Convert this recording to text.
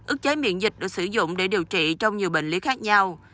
ức cháy miệng dịch được sử dụng để điều trị trong nhiều bệnh lý khác nhau